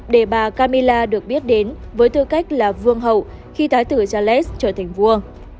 để bà camilla được biết đến với tư cách là vương hậu khi thái tử charles trở thành vua